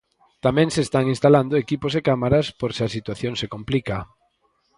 Tamén se están instalando equipos e cámaras por se a situación se complica.